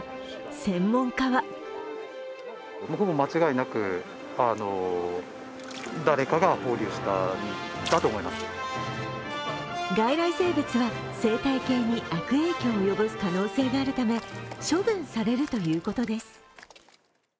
専門家は外来生物は生態系に悪影響を及ぼす可能性があるため処分されるということです。